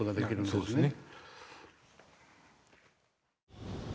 そうですね。